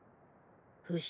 フシ。